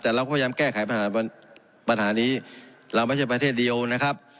แต่เราก็พยายามแก้ไขปัญหาปัญหานี้เราไม่ใช่ประเทศเดียวนะครับ